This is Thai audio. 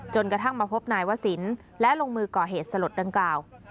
กระทั่งมาพบนายวศิลป์และลงมือก่อเหตุสลดดังกล่าว